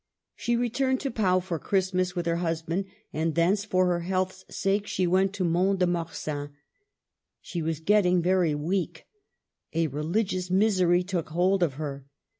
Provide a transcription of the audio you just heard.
She returned to Pau for Christmas with her husband, and thence, for her health's sake, she went to Mont de Marsan. She was getting very weak ; a religious misery took hold of her.